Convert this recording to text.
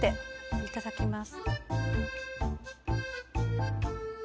いただきます。